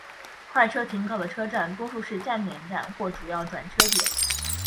快车停靠的车站多数是端点站或主要转车点。